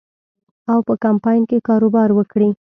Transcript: او په کمپاین کې کاروبار وکړي.